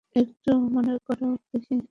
একটু মনে করাও দেখি।